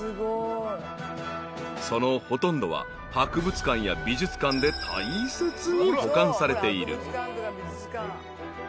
［そのほとんどは博物館や美術館で大切に保管されている］